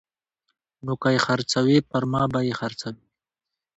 نو که یې خرڅوي پرما به یې خرڅوي